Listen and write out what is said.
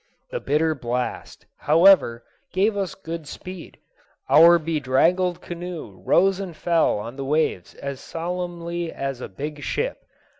The bitter blast, however, gave us good speed; our bedraggled canoe rose and fell on the waves as solemnly as a big ship.